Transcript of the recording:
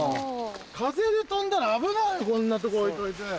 風で飛んだら危ないよこんなとこ置いといて。